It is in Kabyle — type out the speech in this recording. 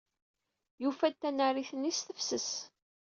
Yufa-d tanarit-nni s tefses.